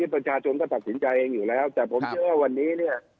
ประชาชนก็ตัดสินใจเองอยู่แล้วแต่ผมเชื่อว่าวันนี้เนี่ย